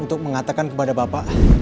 untuk mengatakan kepada bapak